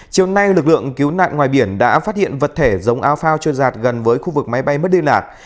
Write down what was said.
chiều nay lực lượng cứu nạn ngoài biển đã phát hiện vật thể giống alphao trôi giạt gần với khu vực máy bay mất đi lạc